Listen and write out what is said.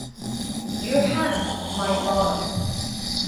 Your hand, my boy!